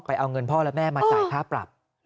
เอาเงินพ่อและแม่มาจ่ายค่าปรับ